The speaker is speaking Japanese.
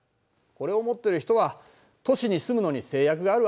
これを持ってる人は都市に住むのに制約があるわけだ。